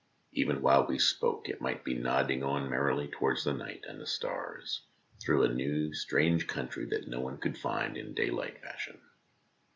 Even while we spoke it might be nodding on merrily towards the night and the stars, through a new, strange country that no one could find in daylight fashion.